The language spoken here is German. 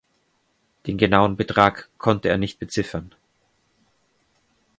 Den genauen Betrag konnte er nicht beziffern.